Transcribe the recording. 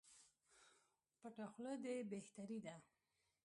پټه خوله دي بهتري ده